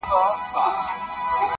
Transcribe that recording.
د مینو اسوېلیو ته دي پام دی,